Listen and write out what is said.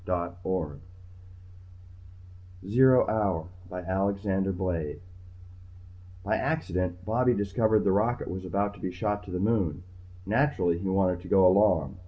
net ZERO HOUR by Alexander Blade By accident Bobby discovered the rocket was about to be shot to the Moon. Naturally he wanted to go along.